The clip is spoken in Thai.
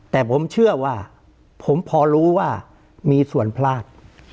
แต่ผมเชื่อว่าผมพอรู้ว่ามีส่วนพลาด